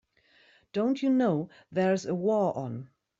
Don't you know there's a war on?